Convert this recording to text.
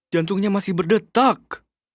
jantungnya masih berdetak